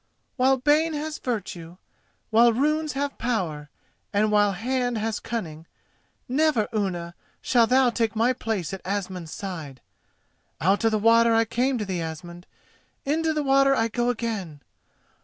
"While bane has virtue, while runes have power, and while hand has cunning, never, Unna, shalt thou take my place at Asmund's side! Out of the water I came to thee, Asmund; into the water I go again.